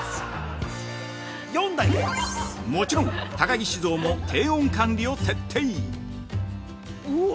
もちろん、高木酒造も低温管理を徹底。